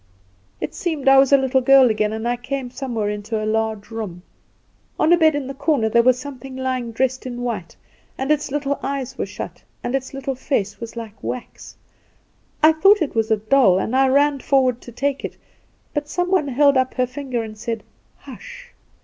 "It seemed I was a little girl again, and I came somewhere into a large room. On a bed in the corner there was something lying dressed in white, and its little eyes were shut, and its little face was like wax. I thought it was a doll, and I ran forward to take it; but some one held up her finger and said: 'Hush!